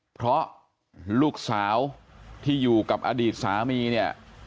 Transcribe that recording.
เพราะลูกสาวที่อยู่กับอดีตสามีเนี่ย